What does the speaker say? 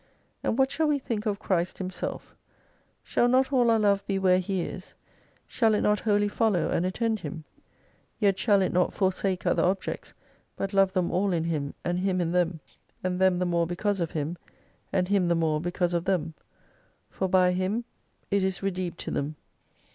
And what shall we think of Christ Himself ? Shall not all our love be where He is ? Shall it not wholly follow and attend Him ? Yet shall it not forsake other objects, but love them all in Him, and Him in them, and them the more because of Him, and Him the more because of them ; for by Him it is re T 289 deemed to them.